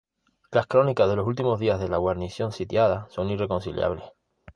Las crónicas de los últimos días de la guarnición sitiada son irreconciliables.